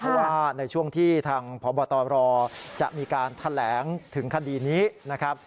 เพราะว่าในช่วงที่ทางพบตรจะมีการแถลงถึงคดีนี้นะครับ